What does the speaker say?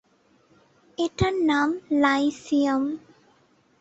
এটার নাম লাইসিয়াম।